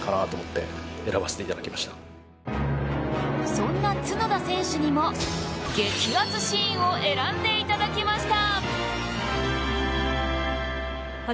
そんな角田選手にも激アツシーンを選んでいただきました。